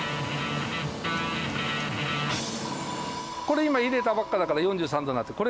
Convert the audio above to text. これ今入れたばっかりだから４３度になってる。